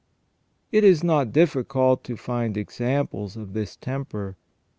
It is not difficult to find examples of this temper.